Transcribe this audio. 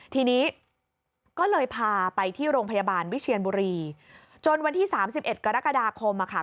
ทีนี้ก็เลยพาไปที่โรงพยาบาลวิเชียนบุรีจนวันที่๓๑กรกฎาคมอะค่ะ